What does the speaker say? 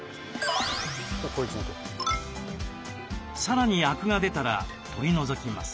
さらにアクが出たら取り除きます。